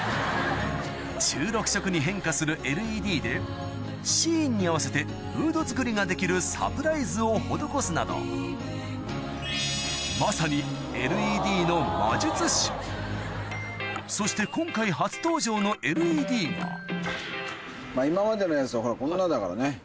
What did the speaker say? １６色に変化するＬＥＤでシーンに合わせてムードづくりができるサプライズを施すなどまさにそして今回初登場のＬＥＤが今までのやつはほらこんなだからね。